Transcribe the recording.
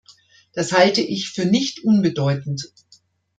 Das halte ich für nicht unbedeutend.